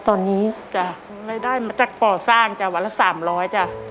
ตอนนี้จ้ะรายได้มาจากก่อสร้างจ้ะวันละ๓๐๐จ้ะ